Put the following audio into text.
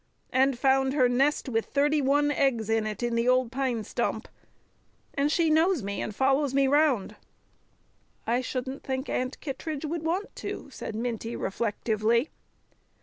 And found her nest with thirty one eggs in it in the old pine stump! And she knows me and follows me round." "I shouldn't think Aunt Kittredge would want to," said Minty reflectively.